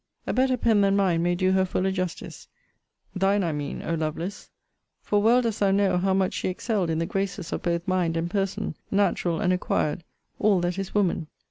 A better pen than mine may do her fuller justice. Thine, I mean, O Lovelace! For well dost thou know how much she excelled in the graces of both mind and person, natural and acquired, all that is woman.